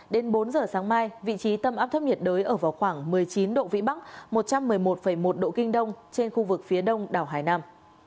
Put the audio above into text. đến bốn giờ sáng mai vị trí tâm áp thấp nhiệt đới ở vào khoảng một mươi chín độ vĩ bắc một trăm một mươi một một độ kinh đông trên khu vực phía đông đảo hải nam